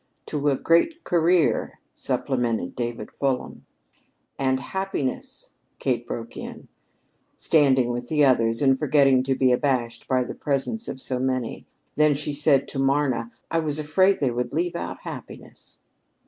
"To a great career," supplemented David Fulham. "And happiness," Kate broke in, standing with the others and forgetting to be abashed by the presence of so many. Then she called to Marna: "I was afraid they would leave out happiness."